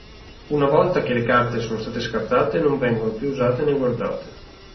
Una volta che le carte sono state scartate non vengono più usate né guardate.